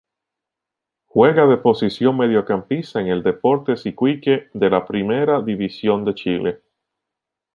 Juega de posición Mediocampista en el Deportes Iquique de la Primera División de Chile.